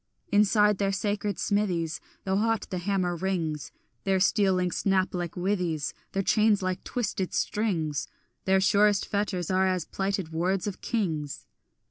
Inside their sacred smithies Though hot the hammer rings, Their steel links snap like withies, Their chains like twisted strings, Their surest fetters are as plighted words of kings.